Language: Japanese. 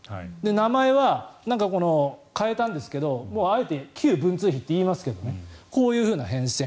名前は変えたんですけどあえて旧文通費といいますけどねこういうふうな変遷。